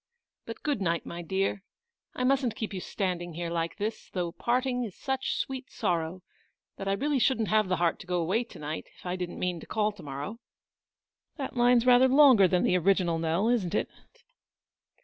But, good night, my dear; I mustn't keep you standing here, like this, though parting is such sweet sorrow, that I really shouldn't have the heart to go away to night if I didn't mean to call to morrow. That WAITING. 109 line's rather longer than the original, Nell, isn't it